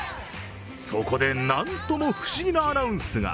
そこで、なんとも不思議なアナウンスが。